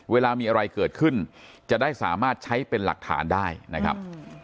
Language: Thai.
เวลามีอะไรเกิดขึ้นจะได้สามารถใช้เป็นหลักฐานได้นะครับ